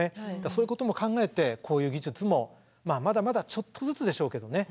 そういうことも考えてこういう技術もまだまだちょっとずつでしょうけどね。